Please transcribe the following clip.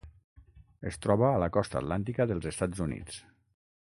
Es troba a la costa atlàntica dels Estats Units.